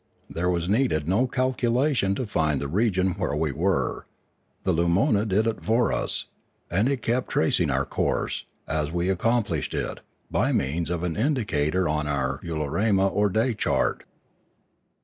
There was needed no calculation to find the region where we were, the lumona did it for us; and it kept tracing our course, as we accomplished it, by means of an indicator on our ularema or day chart.